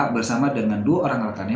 bersama dengan dua orang rekannya